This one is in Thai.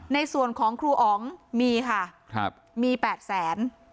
ในส่วนของครูอ๋องมีค่ะครับมี๘แสน